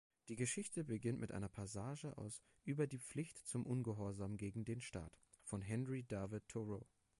Die Geschichte beginnt mit einer Passage aus „Über die Pflicht zum Ungehorsam gegen den Staat“ von Henry David Thoreau.